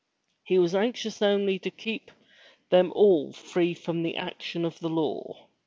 He was anxious only to keep them all free from the action of the law.